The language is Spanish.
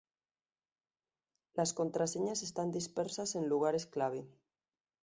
Las contraseñas están dispersas en lugares clave.